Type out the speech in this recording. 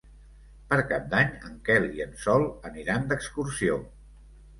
Per Cap d'Any en Quel i en Sol aniran d'excursió.